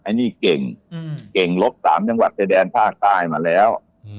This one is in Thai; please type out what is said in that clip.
อันนี้เก่งเก่งลบ๓จังหวัดชายแดนภาคใต้มาแล้ว